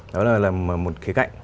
đó là một khía cạnh